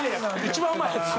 一番うまいやつ。